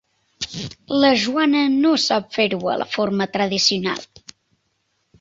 La Joana no sap fer-ho a la forma tradicional.